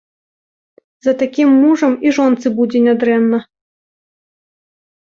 За такім мужам і жонцы будзе нядрэнна.